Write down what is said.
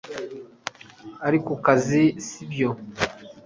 ari ku kazi, si byo